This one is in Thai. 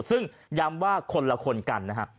ซึ่งย้ำว่าคนละคนกันนะฮะ